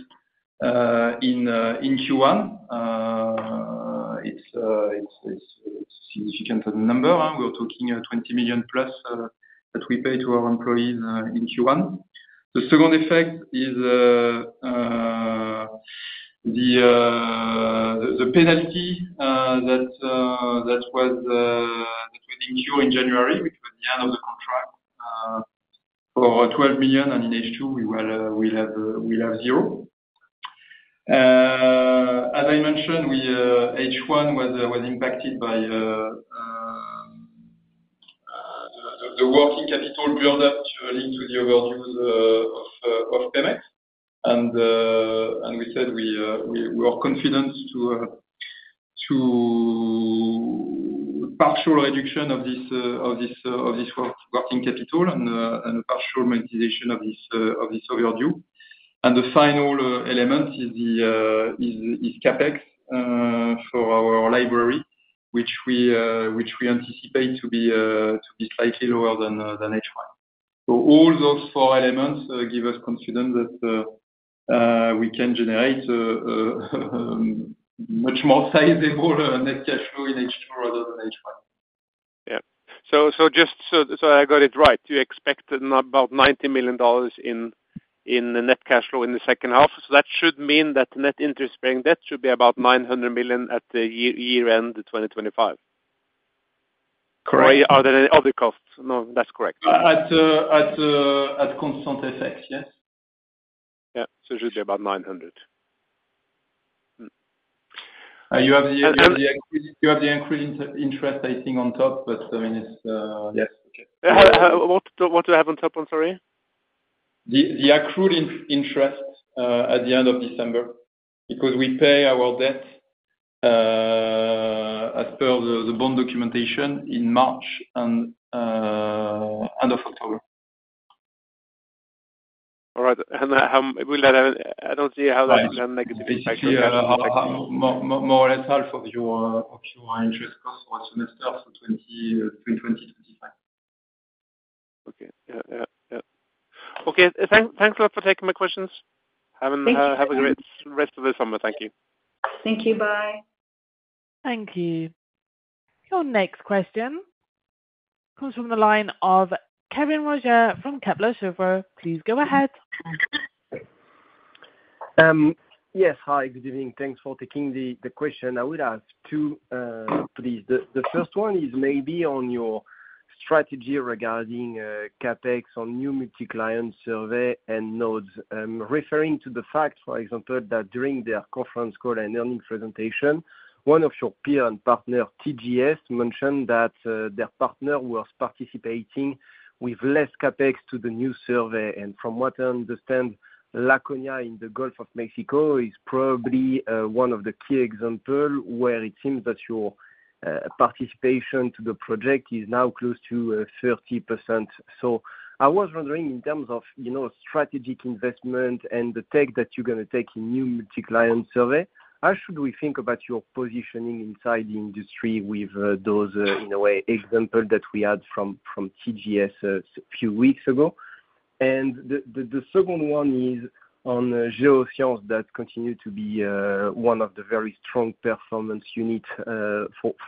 in Q1. It's a significant number. We're talking $20+ million that we pay to our employees in Q1. The second effect is the penalty that was incurred in January, which was the end of the contract for $12 million, and in H2, we'll have zero. As I mentioned, H1 was impacted by the working capital buildup linked to the overuse of Pemex. We said we are confident to a partial reduction of this working capital and a partial magnification of this overdue. The final element is CapEx for our library, which we anticipate to be slightly lower than H1. All those four elements give us confidence that we can generate a much more sizable net cash flow in H2 rather than H1. Just so I got it right, you expect about $90 million in net cash flow in the second half. That should mean that the net interest-bearing debt should be about $900 million at the year-end 2025. Correct? Are there other costs? No, that's correct. At constant FX, yes. Yeah, it should be about $900 million. You have the accrued interest, I think, on top, but I mean. Yes. What do I have on top? I'm sorry. The accrued interest at the end of December, because we pay our debt as per the bond documentation in March and end of October. All right. Will that have any, I don't see how that can negatively affect your. More or less half of your Q1 interest costs for us on the 12th of 2025. Okay. Thanks a lot for taking my questions. Have a great rest of the summer. Thank you. Thank you. Bye. Thank you. Your next question comes from the line of Kévin Roger from Kepler Cheuvreux. Please go ahead. Yes. Hi. Good evening. Thanks for taking the question. I would have two, please. The first one is maybe on your strategy regarding CapEx on new multi-client survey and nodes, referring to the fact, for example, that during their conference call and earnings presentation, one of your peer and partner, TGS, mentioned that their partner was participating with less CapEx to the new survey. From what I understand, La Cogna in the Gulf of Mexico is probably one of the key examples where it seems that your participation to the project is now close to 30%. I was wondering, in terms of strategic investment and the tech that you're going to take in new multi-client survey, how should we think about your positioning inside the industry with those, in a way, examples that we had from TGS a few weeks ago? The second one is on geoscience that continues to be one of the very strong performance units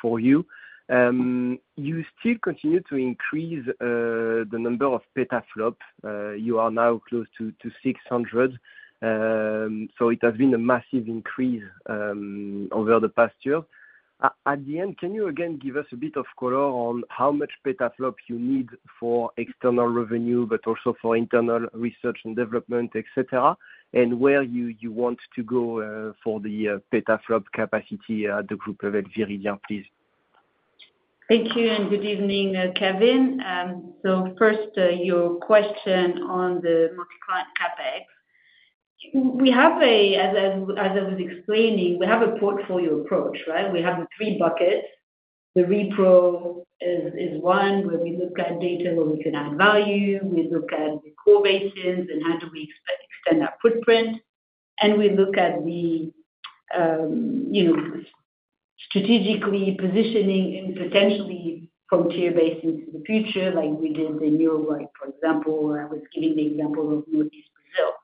for you. You still continue to increase the number of petaflops. You are now close to 600. It has been a massive increase over the past year. At the end, can you again give us a bit of color on how much petaflop you need for external revenue, but also for internal research and development, etc., and where you want to go for the petaflop capacity at the group of Viridien, please? Thank you, and good evening, Kevin. First, your question on the multi-client CapEx. As I was explaining, we have a portfolio approach, right? We have the three buckets. The repro is one where we look at data where we can add value. We look at the core basins and how we extend that footprint. We look at strategically positioning and potentially frontier basins in the future, like we did the NEO work, for example. I was giving the example of Northeast Brazil.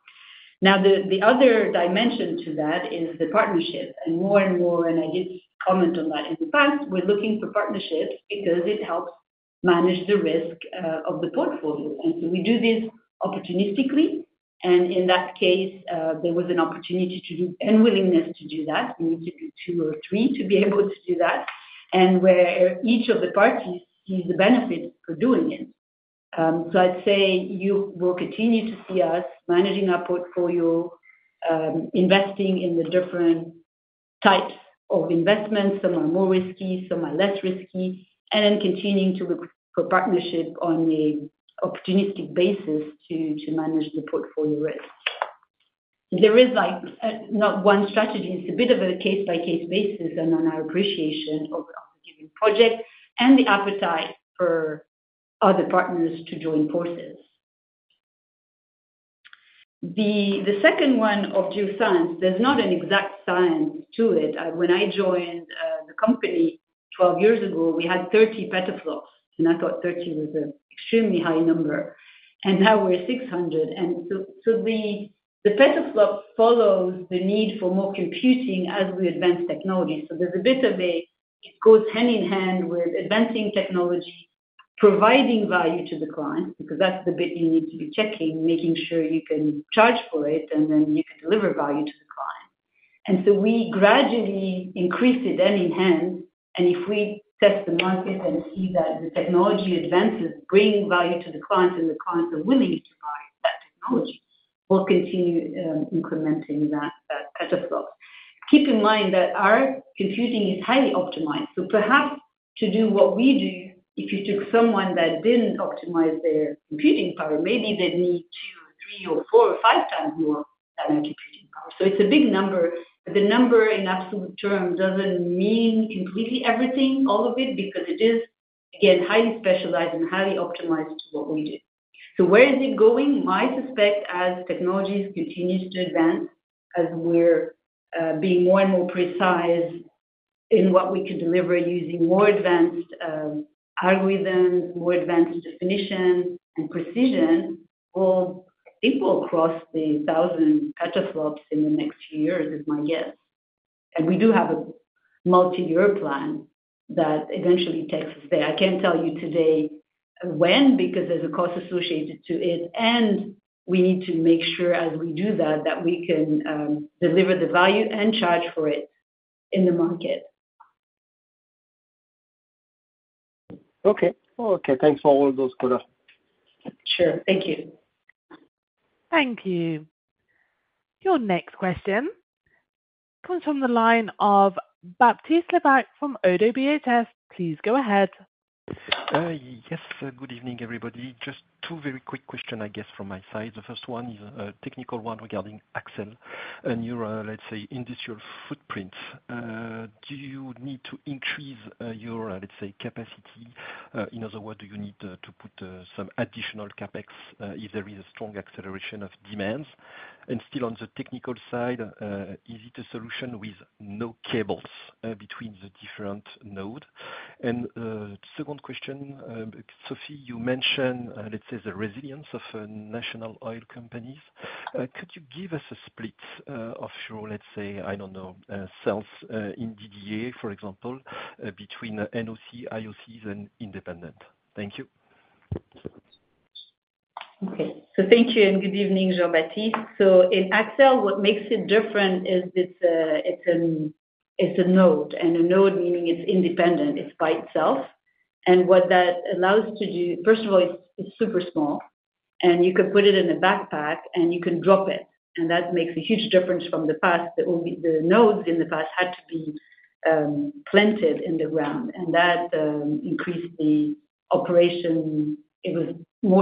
The other dimension to that is the partnership. More and more, and I did comment on that in the past, we're looking for partnership because it helps manage the risk of the portfolio. We do this opportunistically. In that case, there was an opportunity to do and willingness to do that. We need to do two or three to be able to do that, and where each of the parties sees the benefit for doing it. I'd say you will continue to see us managing our portfolio, investing in the different types of investments. Some are more risky, some are less risky, and continuing to look for partnership on an opportunistic basis to manage the portfolio risk. There is not one strategy. It's a bit of a case-by-case basis and on our appreciation of the project and the appetite for other partners to join forces. The second one of geoscience, there's not an exact science to it. When I joined the company 12 years ago, we had 30 petaflops, and I thought 30 was an extremely high number. Now we're 600. The petaflop follows the need for more computing as we advance technology. It goes hand in hand with advancing technology, providing value to the client because that's the bit you need to be checking, making sure you can charge for it, and then you can deliver value to the client. We gradually increase it hand in hand. If we test the market and see that the technology advances bring value to the clients, and the clients are willing to use that technology, we'll continue incrementing that petaflop. Keep in mind that our computing is highly optimized. Perhaps to do what we do, if you took someone that didn't optimize their computing power, maybe they'd need two, three, or four, or five times more power. It's a big number. The number in absolute terms doesn't mean completely everything, all of it, because it is, again, highly specialized and highly optimized for what we do. Where is it going? My suspect is as technologies continue to advance, as we're being more and more precise in what we could deliver using more advanced algorithms, more advanced definition and precision, we'll equal across the thousand petaflops in the next few years, is my guess. We do have a multi-year plan that eventually takes us there. I can't tell you today when because there's a cost associated to it. We need to make sure, as we do that, that we can deliver the value and charge for it in the market. Okay. Thanks for all those, color. Sure. Thank you. Thank you. Your next question comes from the line of Baptiste Lebacq from Oddo BHF. Please go ahead. Yes. Good evening, everybody. Just two very quick questions, I guess, from my side. The first one is a technical one regarding Accel and your, let's say, industrial footprint. Do you need to increase your, let's say, capacity? In other words, do you need to put some additional CapEx if there is a strong acceleration of demands? Still, on the technical side, is it a solution with no cables between the different nodes? The second question, Sophie, you mentioned, let's say, the resilience of national oil companies. Could you give us a split of your, let's say, I don't know, cells in DDA, for example, between NOC, IOCs, and independent? Thank you. Okay. Thank you and good evening, Baptiste. In Accel, what makes it different is it's a node, and a node meaning it's independent, it's by itself. What that allows you to do, first of all, it's super small. You can put it in a backpack and you can drop it. That makes a huge difference from the past. The nodes in the past had to be planted in the ground, and that increased the operation. It was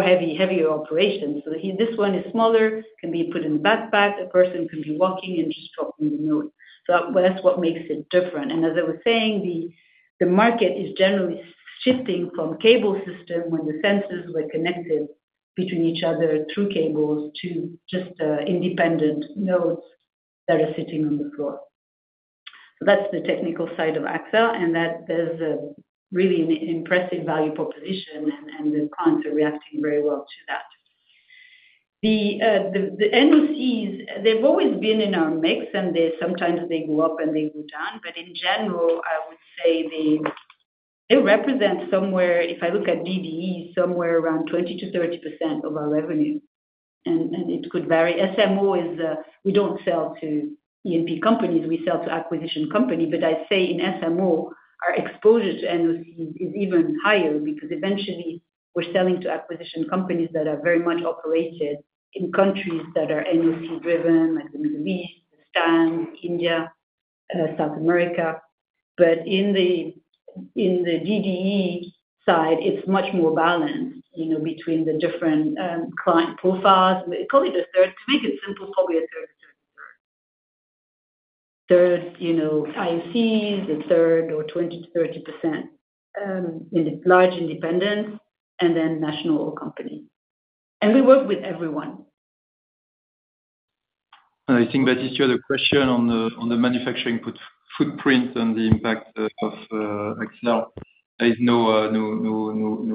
heavier operations. This one is smaller. It can be put in a backpack. A person can be walking and just dropping the node. That's what makes it different. As I was saying, the market is generally shifting from cable system, when the sensors were connected between each other through cables, to just independent nodes that are sitting on the floor. That's the technical side of Accel. There's really an impressive value proposition, and the clients are reacting very well to that. The NOCs, they've always been in our mix, and sometimes they go up and they go down. In general, I would say they represent somewhere, if I look at DDE, somewhere around 20%-30% of our revenue, and it could vary. SMO is we don't sell to E&P companies. We sell to acquisition companies. I'd say in SMO, our exposure to NOC is even higher because eventually, we're selling to acquisition companies that are very much operated in countries that are NOC-driven, like the Middle East, the Stan, India, South America. In the DDE side, it's much more balanced between the different client profiles. Probably to make it simple, probably a third IOCs, a third or 20%-30% in large independents, and then national oil companies. We work with everyone. I think that is your question on the manufacturing footprint and the impact of Accel. There is no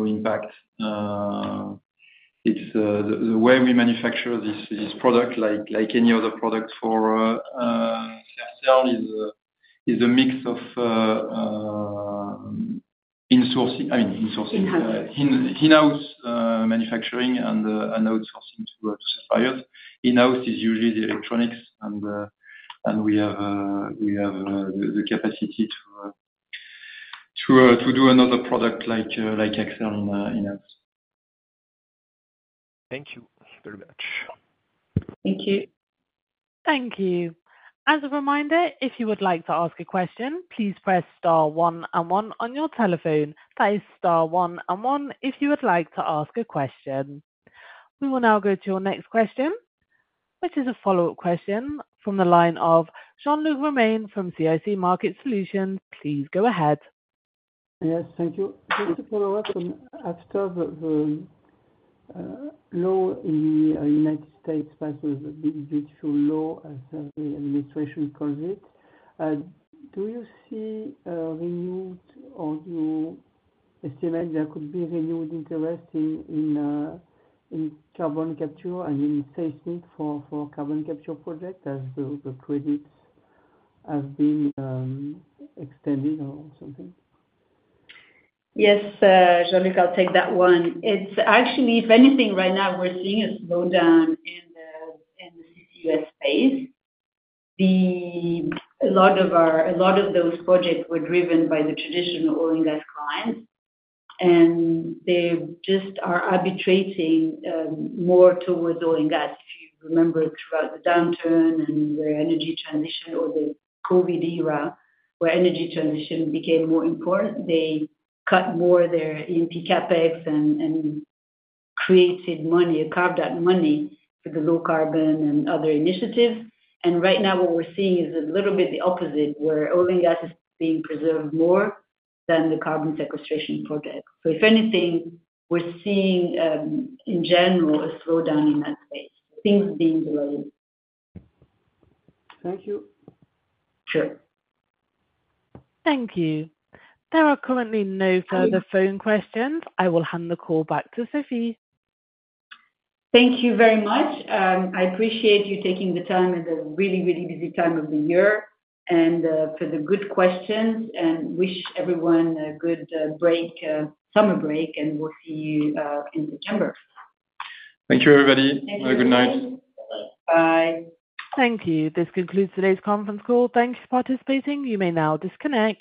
impact. The way we manufacture this product, like any other product for Accel, is a mix of in-house manufacturing and outsourcing to our suppliers. In-house is usually the electronics, and we have the capacity to do another product like Accel in-house. Thank you very much. Thank you. Thank you. As a reminder, if you would like to ask a question, please press star one and one on your telephone. That is star one and one if you would like to ask a question. We will now go to your next question, which is a follow-up question from the line of Jean-Luc Romain from CIC Market Solutions. Please go ahead. Yes, thank you. Just to follow up, Accel, you know in the U.S., that was the digital law administration, he calls it. Do you see a renewed or do you estimate there could be renewed interest in carbon capture and any seismic for carbon capture projects as the credits have been extended or something? Yes, Jean-Luc, I'll take that one. It's actually, if anything, right now, we're seeing a slowdown in the CCUS space. A lot of those projects were driven by the traditional oil and gas clients. They just are arbitrating more toward oil and gas. If you remember throughout the downturn and the energy transition or the COVID era, where energy transition became more important, they cut more of their E&P CapEx and created money, carved out money for the low carbon and other initiatives. Right now, what we're seeing is a little bit the opposite, where oil and gas is being preserved more than the carbon sequestration project. If anything, we're seeing, in general, a slowdown in that space. Things are being delayed. Thank you. Sure. Thank you. There are currently no further phone questions. I will hand the call back to Sophie. Thank you very much. I appreciate you taking the time in the really, really busy time of the year and for the good questions, and wish everyone a good break, summer break, and we'll see you in September. Thank you, everybody. Have a good night. Bye. Thank you. This concludes today's conference call. Thank you for participating. You may now disconnect.